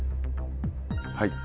はい。